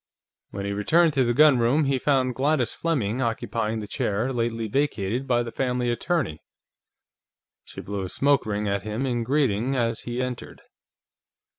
When he returned to the gunroom, he found Gladys Fleming occupying the chair lately vacated by the family attorney. She blew a smoke ring at him in greeting as he entered.